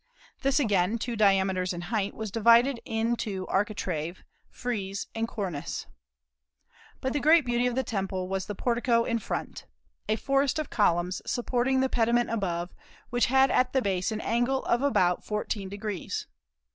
This again, two diameters in height, was divided into architrave, frieze, and cornice. But the great beauty of the temple was the portico in front, a forest of columns, supporting the pediment above, which had at the base an angle of about fourteen degrees.